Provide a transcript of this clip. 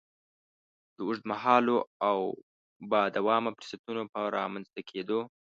د اوږد مهالو او با دوامه فرصتونو په رامنځ ته کېدو.